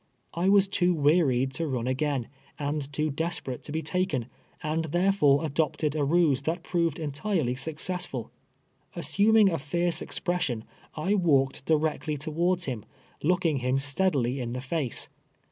I was too wearied to run again, and too desperate to be taken, and therefore adopted a ruse that proved entirely successful. Assuming a fierce expression, I walked directly towards him, look ing him steadily in the tace.